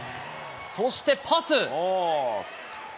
そして、パス。